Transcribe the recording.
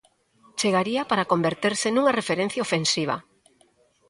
Chegaría para converterse nunha referencia ofensiva.